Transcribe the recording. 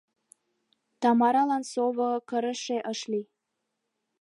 Тамаралан сово кырыше ыш лий.